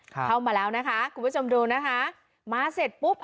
เข้ามาแล้วนะคะคุณผู้ชมดูนะคะมาเสร็จปุ๊บ